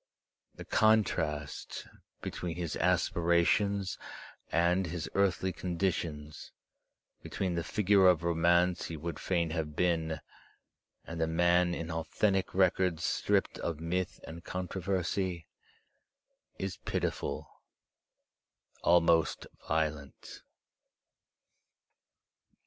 The contrast between his aspirations and his earthly conditions, between the figure of romance he would fain have been and the man in authentic records stripped of myth and controversy, is pitiful, almost violent.